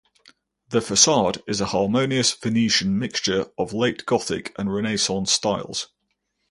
The facade is a harmonious Venetian mixture of late-Gothic and Renaissance styles.